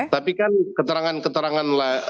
tapi kan keterangan keterangan